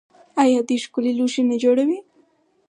آیا دوی ښکلي لوښي نه جوړوي؟